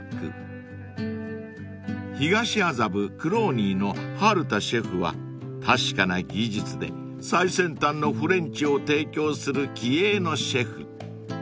［東麻布Ｃｒｏｎｙの春田シェフは確かな技術で最先端のフレンチを提供する気鋭のシェフ］